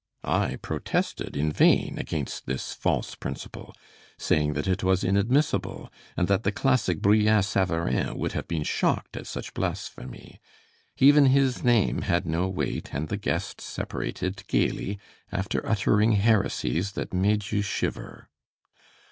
I protested in vain against this false principle, saying that it was inadmissible, and that the classic Brillat Savarin would have been shocked at such blasphemy. Even his name had no weight, and the guests separated gayly, after uttering heresies that made you shiver.